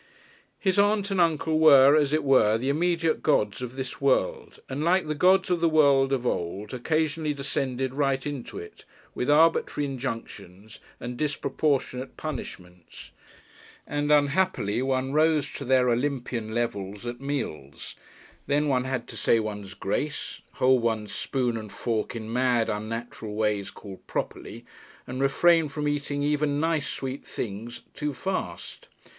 His aunt and uncle were, as it were, the immediate gods of this world; and, like the gods of the world of old, occasionally descended right into it, with arbitrary injunctions and disproportionate punishments. And, unhappily, one rose to their Olympian level at meals. Then one had to say one's "grace," hold one's spoon and fork in mad, unnatural ways called "properly," and refrain from eating even nice sweet things "too fast."